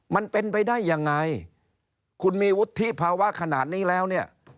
มันเป็นไปได้ยังไงคุณมีวุฒิภาวะขนาดนี้แล้วเนี่ย